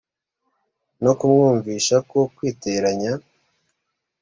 no kumwumvisha ko kwiteranya